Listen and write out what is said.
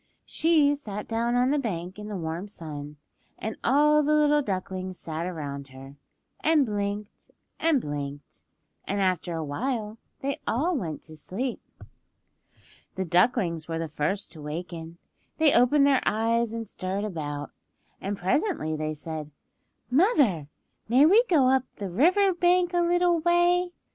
She sat down on the bank in the warm sun, and all the little ducklings sat around her, and blinked and blinked, and after a while they all went to sleep. The ducklings were the first to waken. They opened their eyes and stirred about, and presently they said, "Mother, may we go up the river bank a little way?"